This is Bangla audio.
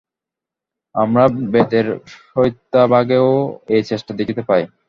আমরা বেদের সংহিতাভাগেও এই চেষ্টা দেখিতে পাই।